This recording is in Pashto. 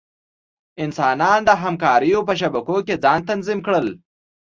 انسانان د همکاریو په شبکو کې ځان تنظیم کړل.